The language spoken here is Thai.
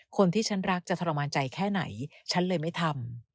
คนที่ฉันรักจะทรมานใจแค่ไหนฉันเลยไม่ทำ